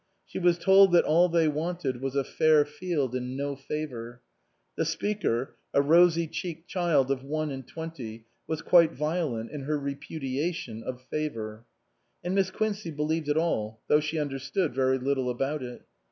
She was told that all they wanted was a fair field and no favour. (The speaker, a rosy cheeked child of one and twenty, was quite violent in her repudiation of favour.) And Miss Quincey believed it all, though she understood very little about it.